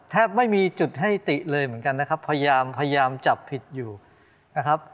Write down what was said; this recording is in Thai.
แทบไม่มีจุดให้ติเลยเหมือนกันนะครับพยายามพยายามจับผิดอยู่นะครับ